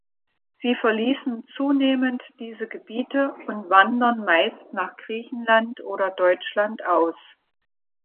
Sie verließen zunehmend diese Gebiete und wandern meist nach Griechenland oder Deutschland aus.